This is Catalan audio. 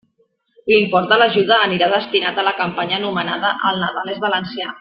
L'import de l'ajuda anirà destinat a la campanya anomenada «El Nadal és valencià».